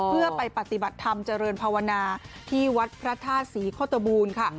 เพื่อไปปฏิบัติธรรมเจริญภาวนาที่วัดพระธาตุศรีโฆตบูรณ์ค่ะ